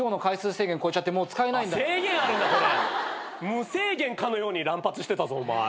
無制限かのように乱発してたぞお前。